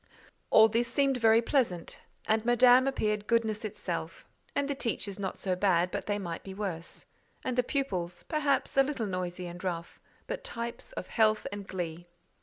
All this seemed very pleasant, and Madame appeared goodness itself; and the teachers not so bad but they might be worse; and the pupils, perhaps, a little noisy and rough, but types of health and glee.